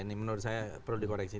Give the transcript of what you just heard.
ini menurut saya perlu dikoreksi